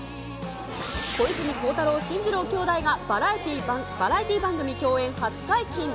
小泉孝太郎・進次郎兄弟がバラエティー番組共演初解禁。